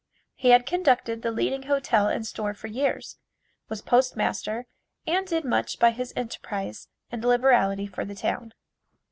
He had conducted the leading hotel and store for years, was Postmaster, and did much by his enterprise and liberality for the town.